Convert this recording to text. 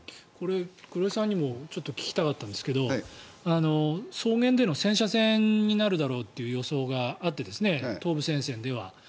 黒井さんにも聞きたかったんですけど草原での戦車戦になるだろうという予想があって東部戦線では。